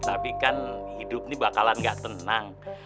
tapi kan hidup ini bakalan gak tenang